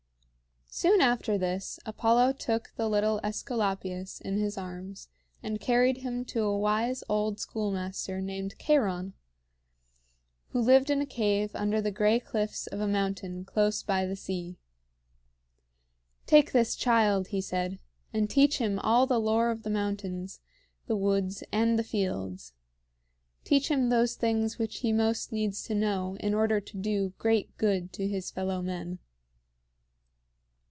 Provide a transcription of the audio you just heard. Soon after this, Apollo took the little AEsculapius in his arms and carried him to a wise old schoolmaster named Cheiron, who lived in a cave under the gray cliffs of a mountain close by the sea. "Take this child," he said, "and teach him all the lore of the mountains, the woods, and the fields. Teach him those things which he most needs to know in order to do great good to his fellow men."